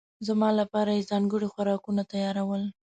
زما لپاره یې ځانګړي خوراکونه تيارول.